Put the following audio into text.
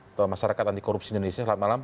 atau masyarakat anti korupsi indonesia selamat malam